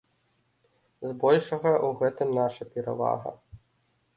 Збольшага ў гэтым наша перавага.